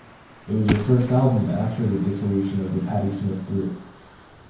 It was her first album after the dissolution of The Patti Smith Group.